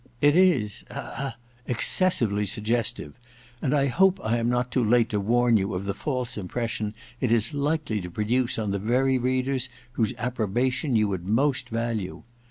It is — ^ahem— excessively suggestive, and I hope I am not too late to warn you of the false impression it is likely to produce 11 EXPIATION 93 on the very readers whose approbation you would most value.